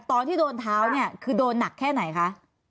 ตอนที่โดนเท้าเนี่ยคือโดนหนักแค่ไหนคะ